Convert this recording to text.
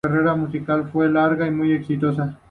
Su carrera musical fue corta y muy exitosa.